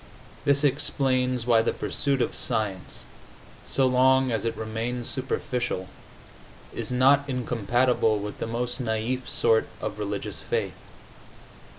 This explains why the pursuit of science, so long as it remains superficial, is not incompatible with the most naif sort of religious faith.